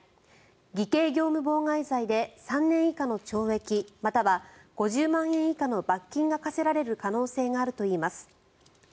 偽計業務妨害罪で３年以下の懲役または５０万円以下の罰金が科せられる可能性があるといいます。